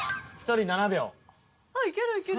あっいけるいける。